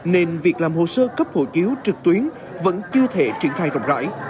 nên việc làm hồ sơ cấp hộ chiếu trực tuyến vẫn chưa thể triển khai rộng rãi